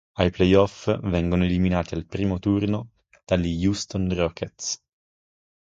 Ai play-off vengono eliminati al primo turno dagli Houston Rockets.